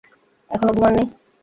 এখনো ঘুমান নি?